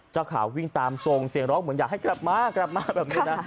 เจ้าขาววิ่งตามทรงเสียงร้องเหมือนอยากให้กลับมากลับมาแบบนี้นะ